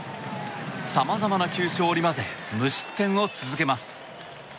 さまざまな球種を織り交ぜ無失点を続けます。